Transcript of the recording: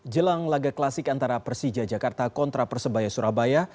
jelang laga klasik antara persija jakarta kontra persebaya surabaya